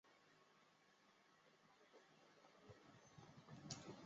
难兄难弟是严顺开以及黄宏在中央电视台春节联欢晚会中所表演的一段小品。